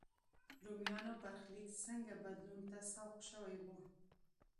رومیانو برخلیک څنګه بدلون ته سوق شوی و.